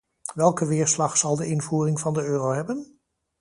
Welke weerslag zal de invoering van de euro hebben?